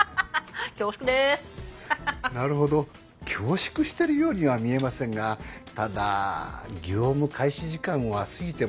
なるほど恐縮してるようには見えませんがただ業務開始時間は過ぎています。